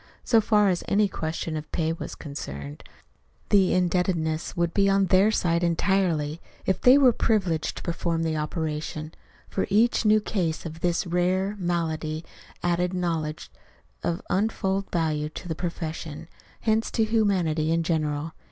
So far as any question of pay was concerned, the indebtedness would be on their side entirely if they were privileged to perform the operation, for each new case of this very rare malady added knowledge of untold value to the profession, hence to humanity in general.